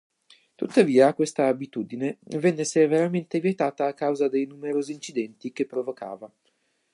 Tuttavia questa "abitudine" venne severamente vietata a causa dei numerosi incidenti che provocava.